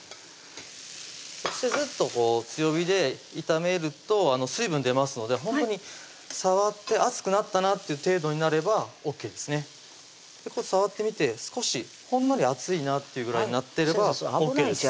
そしてずっとこう強火で炒めると水分出ますのでほんとに触って熱くなったなっていう程度になればＯＫですね触ってみてほんのり熱いなというぐらいになってればＯＫです先生